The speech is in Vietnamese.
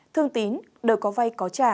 thương tín đời có vay có trả